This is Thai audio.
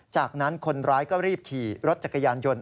จากนั้นคนร้ายก็รีบขี่รถจักรยานยนต์